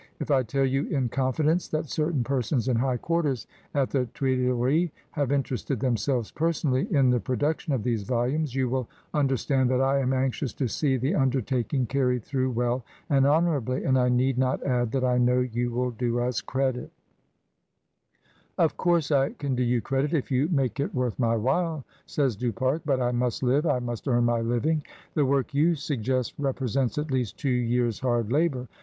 If I tell you in confidence that certain persons in high quarters at the Tuileries have interested themselves personally in the production of these volumes, you will under stand that I am anxious to see the undertaking carried through well and honourably; and I need not add that I know you will do us credit" "Of course I can do you credit if you make it PRINCE Hassan's carpet. 193 worth my while," says Du Pare; "but I must live, I must earn my living. The work you suggest re presents, at least, two years' hard labour.